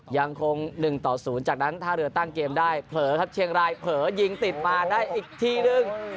ยังคง๑ต่อ๐จากนั้นท่าเรือตั้งเกมได้เผลอครับเชียงรายเผลอยิงติดมาได้อีกทีนึง